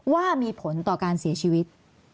ว่ามีผลต่อการเสียชีวิต